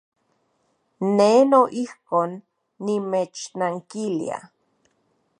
Ne noijkon nimechnankilia.